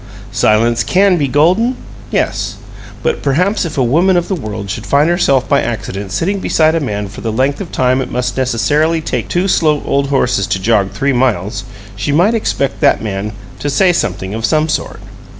Silence CAN be golden? Yes. But perhaps if a woman of the world should find herself by accident sitting beside a man for the length of time it must necessarily take two slow old horses to jog three miles, she might expect that man to say something of some sort!